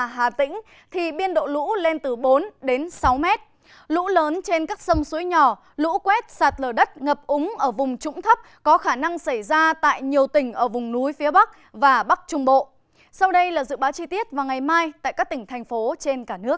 hãy đăng ký kênh để ủng hộ kênh của chúng mình nhé